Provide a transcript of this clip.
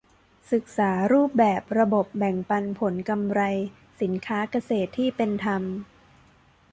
ศึกษารูปแบบระบบแบ่งปันผลกำไรสินค้าเกษตรที่เป็นธรรม